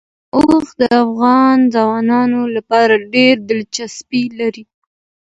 اوښ د افغان ځوانانو لپاره ډېره دلچسپي لري.